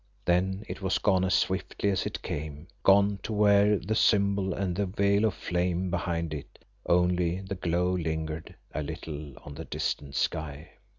Then it was gone as swiftly as it came. Gone too were the symbol and the veil of flame behind it, only the glow lingered a little on the distant sky.